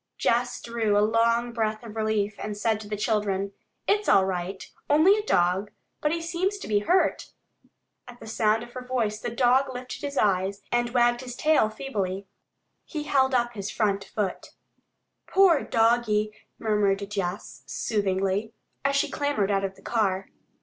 Jess drew a long breath of relief, and said to the children, "It's all right. Only a dog. But he seems to be hurt." At the sound of her voice the dog lifted his eyes and wagged his tail feebly. He held up his front foot. "Poor doggie," murmured Jess soothingly, as she clambered out of the car.